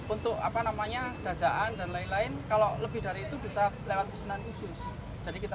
untuk apa namanya dadaan dan lain lain kalau lebih dari itu bisa lewat pesanan khusus jadi kita